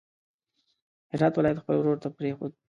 هرات ولایت خپل ورور ته پرېښود.